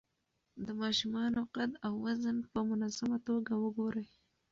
د ماشومانو قد او وزن په منظمه توګه وګورئ.